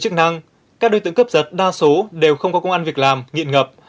trước năng các đối tượng cướp giật đa số đều không có công an việc làm nghiện ngập